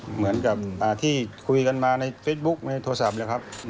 เหมือนกับที่คุยกันมาในเฟซบุ๊คในโทรศัพท์เลยครับ